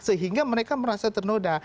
sehingga mereka merasa ternoda